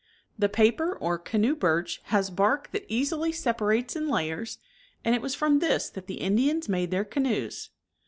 The paper or canoe birch has bark that easily separates in layers, and it was from ,^ this that the Indians made their ca ■'v.r'X noes.